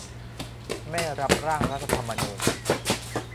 ไม่รับร่างรัฐธรรมนูญ